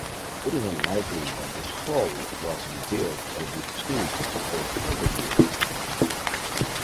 It is unlikely that the hull was rebuilt and retooled for further use.